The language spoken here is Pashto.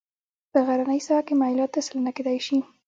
په غرنۍ ساحه کې میل اته سلنه کیدی شي